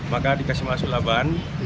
maka dikasih masuklah ban